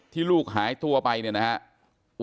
ลูกหายตัวไปเนี่ยนะครับ